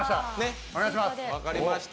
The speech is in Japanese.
分かりました。